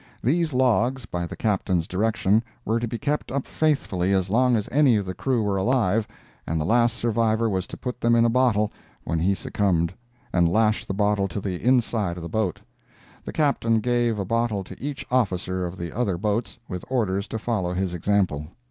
These logs, by the Captain's direction, were to be kept up faithfully as long as any of the crew were alive, and the last survivor was to put them in a bottle, when he succumbed, and lash the bottle to the inside of the boat. The Captain gave a bottle to each officer of the other boats, with orders to follow his example.